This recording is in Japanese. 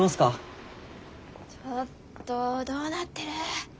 ちょっとどうなってる？